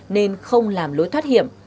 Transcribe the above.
nên không làm lối thoát hiểm